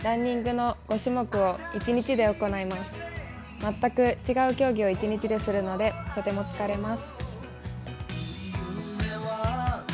全く違う競技を一日でするので、とても疲れます。